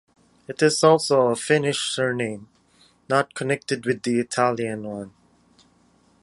It is also a Finnish surname, not connected with the Italian one.